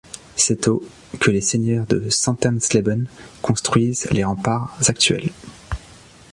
C'est au que les seigneurs de Santersleben construisent les remparts actuels.